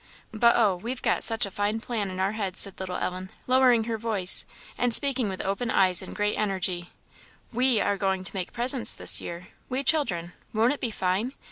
But oh! we've got such a fine plan in our heads," said little Ellen, lowering her voice, and speaking with open eyes and great energy "we are going to make presents this year! we children won't it be fine?